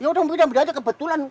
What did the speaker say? ya udah pindah pindah aja kebetulan